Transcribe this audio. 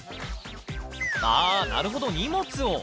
ああ、なるほど、荷物を。